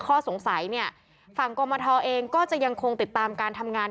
ข้อสงสัยเนี่ยฝั่งกรมทเองก็จะยังคงติดตามการทำงาน